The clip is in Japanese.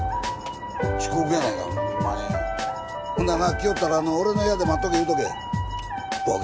遅刻やないかホンマに来よったら俺の部屋で待っとけ言うとけボケ！